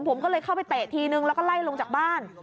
ผมก็เลยเข้าไปเตะทีนึงแล้วก็ไล่ลงจากบ้าน